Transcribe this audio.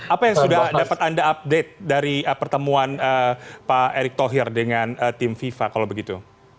apa yang sudah dapat anda update dari pertemuan pak erick thohir dengan tim fifa kalau begitu